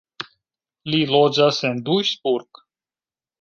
Li loĝas en Duisburg.